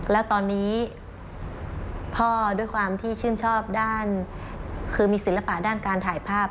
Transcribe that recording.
แล้วตอนนี้พ่อด้วยความที่ชื่นชอบด้านคือมีศิลปะด้านการถ่ายภาพ